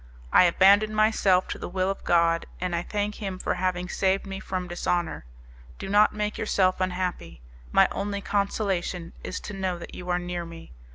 I abandon myself to the will of God, and I thank Him for having saved me from dishonour. Do not make yourself unhappy. My only consolation is to know that you are near me.